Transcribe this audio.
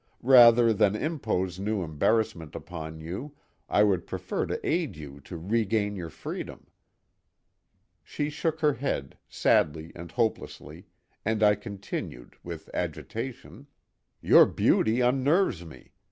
Rather than impose new embarrassments upon you I would prefer to aid you to regain your freedom." She shook her head, sadly and hopelessly, and I continued, with agitation: "Your beauty unnerves me.